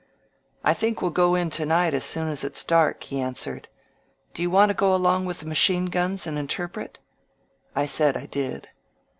^^I think we'll go in to night as soon as it's dark," he answered, ^^o you want to go along with the ma chine guns and interpret?" I said I did.